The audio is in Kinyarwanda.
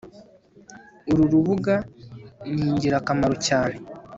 Uru rubuga ni ingirakamaro cyane